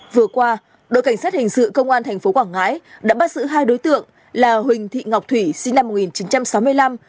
vừa qua đội cảnh sát hình sự công an tp quảng ngãi đã bắt giữ hai đối tượng là huỳnh thị ngọc thủy sinh năm một nghìn chín trăm sáu mươi năm